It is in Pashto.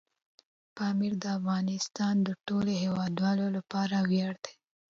پامیر د افغانستان د ټولو هیوادوالو لپاره ویاړ دی.